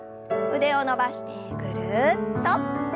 腕を伸ばしてぐるっと。